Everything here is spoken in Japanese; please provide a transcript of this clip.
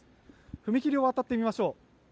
踏切を渡ってみましょう。